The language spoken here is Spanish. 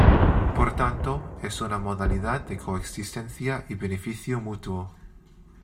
Por tanto, es una modalidad de coexistencia y beneficio mutuo.